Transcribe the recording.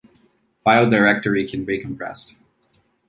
File directory can be compressed.